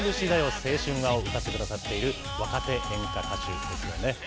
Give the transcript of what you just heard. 青春は！を歌ってくださっている若手演歌歌手ですよね。